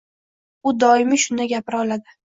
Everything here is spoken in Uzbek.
U doimiy shunday gapira oladi.